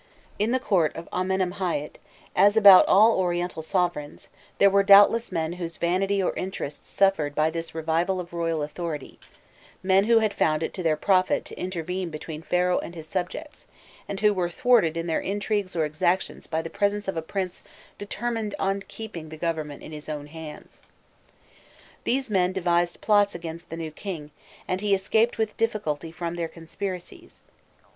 In the court of Amenemhâît, as about all Oriental sovereigns, there were doubtless men whose vanity or interests suffered by this revival of the royal authority; men who had found it to their profit to intervene between Pharaoh and his subjects, and who were thwarted in their intrigues or exactions by the presence of a prince determined on keeping the government in his own hands. These men devised plots against the new king, and he escaped with difficulty from their conspiracies.